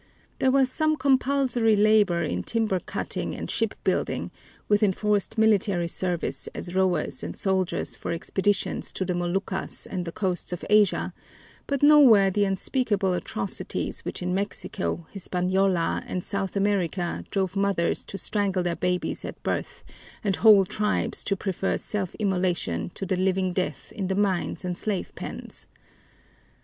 There was some compulsory labor in timber cutting and ship building, with enforced military service as rowers and soldiers for expeditions to the Moluccas and the coasts of Asia, but nowhere the unspeakable atrocities which in Mexico, Hispaniola, and South America drove mothers to strangle their babes at birth and whole tribes to prefer self immolation to the living death in the mines and slave pens.